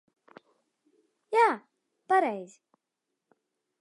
Jā, pareizi.